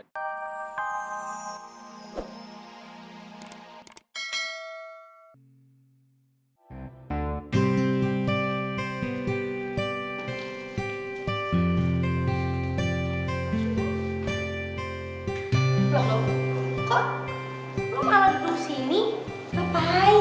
disini tuh bete